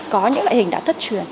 có những loại hình đã thất truyền